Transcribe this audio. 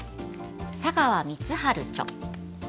佐川光晴著。